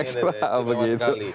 super ekstra begitu